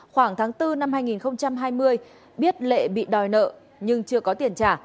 khoảng tháng bốn năm hai nghìn hai mươi biết lệ bị đòi nợ nhưng chưa có tiền trả